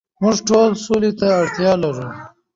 موږ ټول سولې ته اړتیا لرو.